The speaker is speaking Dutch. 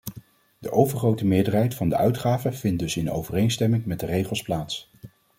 De overgrote meerderheid van de uitgaven vindt dus in overeenstemming met de regels plaats.